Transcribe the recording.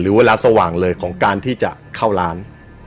เวลาสว่างเลยของการที่จะเข้าร้าน